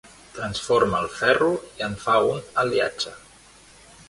Transforma el ferro i en fa un aliatge.